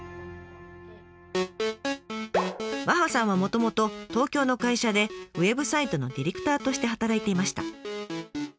麻葉さんはもともと東京の会社でウェブサイトのディレクターとして働いていました。